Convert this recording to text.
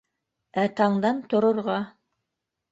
Ә тандан торорға.